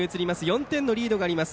４点のリードがあります